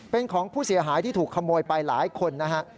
เป็นของผู้เสียหายที่ถูกขโมยไปหลายคนนะฮะ